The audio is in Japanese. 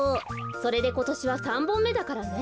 それでことしは３ぼんめだからね。